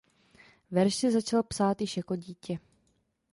Verše začal psát již jako dítě.